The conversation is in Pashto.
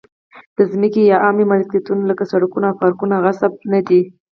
د ځمکې یا عامه ملکیتونو لکه سړکونه او پارکونه غصب نه شي.